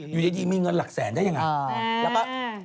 อยู่ดีมีเงินหลักแสนได้อย่างไร